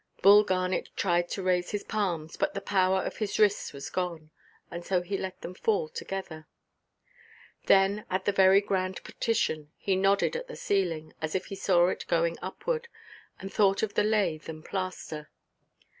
Bull Garnet tried to raise his palms, but the power of his wrists was gone, and so he let them fall together. Then at every grand petition he nodded at the ceiling, as if he saw it going upward, and thought of the lath and plaster.